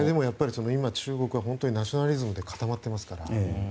今、中国は本当にナショナリズムで固まっていますから。